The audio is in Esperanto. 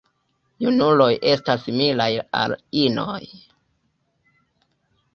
Junuloj estas similaj al inoj.